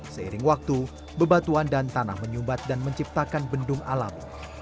seiring waktu bebatuan dan tanah menyumbat dan menciptakan bendung alam